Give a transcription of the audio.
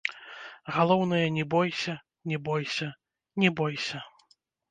Галоўнае, не бойся, не бойся, не бойся.